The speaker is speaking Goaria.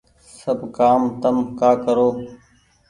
سب ڪآم تم ڪآ ڪرو